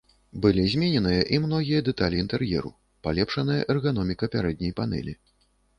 Былі змененыя і многія дэталі інтэр'еру, палепшаная эрганоміка пярэдняй панэлі.